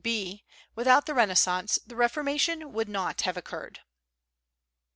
b. Without the Renaissance the Reformation would not have occurred.